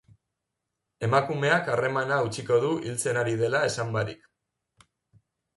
Emakumeak harremana hautsiko du hiltzen ari dela esan barik.